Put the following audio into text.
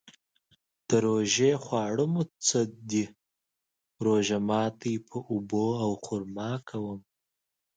د روژې خواړه مو څه ده؟ روژه ماتی په اوبو او خرما کوم